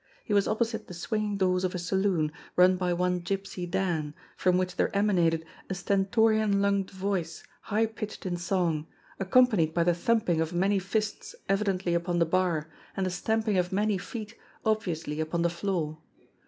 He was opposite the swing ing doors of a saloon, run by one Gypsy Dan, from which there emanated a stentorian lunged voice high pitched in song, accompanied by the thumping of many fists evidently upon the bar, and the stamping of many feet obviously upon the floor.